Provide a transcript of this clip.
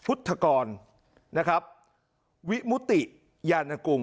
พุทธกรนะครับวิมุติยานกุล